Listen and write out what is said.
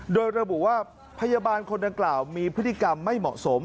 โดยระบุว่าพยาบาลคนดังกล่าวมีพฤติกรรมไม่เหมาะสม